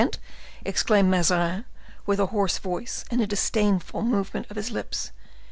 exclaimed Mazarin, with a hoarse voice and a disdainful movement of his lips.